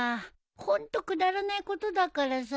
ホントくだらないことだからさ。